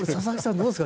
どうですか？